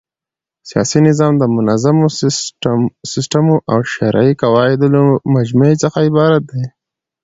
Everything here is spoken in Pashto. سیاسي نظام د منظمو سيسټمو او شرعي قواعدو له مجموعې څخه عبارت دئ.